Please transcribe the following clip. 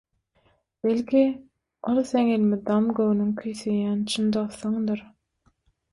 Belki, ol seň elmydam göwnüň küýseýän çyn dostuňdyr?